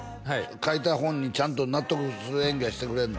書いた本にちゃんと納得する演技はしてくれんの？